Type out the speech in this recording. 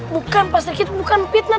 bukan pak serikiti bukan fitnah